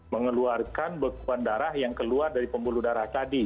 mengeluarkan bekuan darah yang keluar dari pembuluh darah tadi